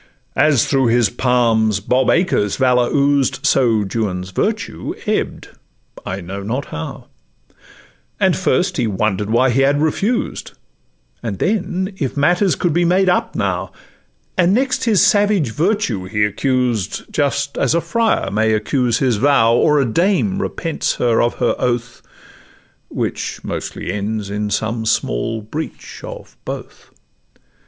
As through his palms Bob Acres' valour oozed, So Juan's virtue ebb'd, I know not how; And first he wonder'd why he had refused; And then, if matters could be made up now; And next his savage virtue he accused, Just as a friar may accuse his vow, Or as a dame repents her of her oath, Which mostly ends in some small breach of both.